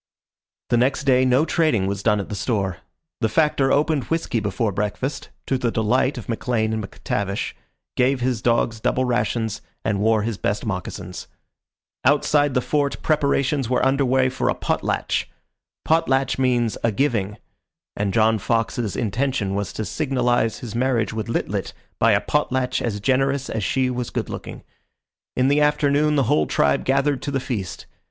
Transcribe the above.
The next day no trading was done at the store. The Factor opened whisky before breakfast, to the delight of McLean and McTavish, gave his dogs double rations, and wore his best moccasins. Outside the Fort preparations were under way for a POTLATCH. Potlatch means "a giving," and John Fox's intention was to signalize his marriage with Lit lit by a potlatch as generous as she was good looking. In the afternoon the whole tribe gathered to the feast.